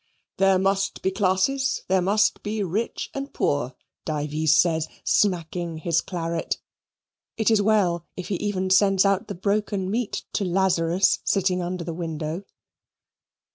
"There must be classes there must be rich and poor," Dives says, smacking his claret (it is well if he even sends the broken meat out to Lazarus sitting under the window).